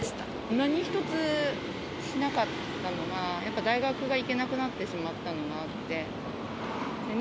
何一つしなかったのが、やっぱり大学が行けなくなってしまったのがあってね。